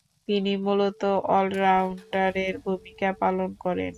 তিনি মূলতঃ অল-রাউন্ডারের ভূমিকা পালন করেন।